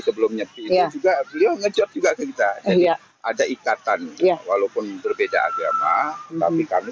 sebelum nyepi itu juga beliau ngejot juga ke kita jadi ada ikatan walaupun berbeda agama tapi kami